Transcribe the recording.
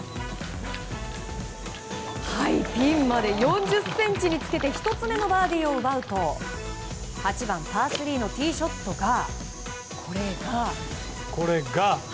ピンまで４０ｃｍにつけて１つ目のバーディーを奪うと８番、パー３のティーショットがこれが。